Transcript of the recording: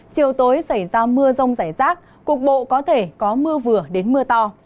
chiều tối xảy ra mưa rông rải rác cục bộ có thể có mưa vừa đến mưa to